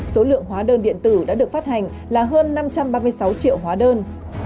số lượng hóa đơn điện tử đã được phát hành là hơn năm trăm ba mươi sáu triệu hóa đơn